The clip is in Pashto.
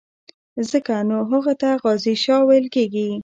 ځکه نو هغه ته غازي شاه ویل کېږي.